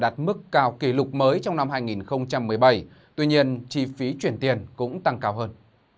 trong năm hai nghìn một mươi bảy tuy nhiên chi phí chuyển tiền cũng tăng cao hơn